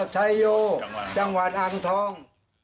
จังหวัดอ่างทอง